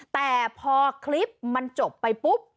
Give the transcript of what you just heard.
แต่พอคลิปมันจบไปปุ๊บ